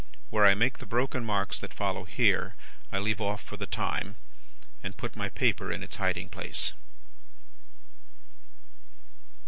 Where I make the broken marks that follow here, I leave off for the time, and put my paper in its hiding place.